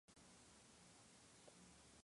録音させろよ